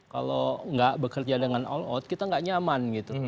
kalau nggak bekerja dengan all out kita nggak nyaman gitu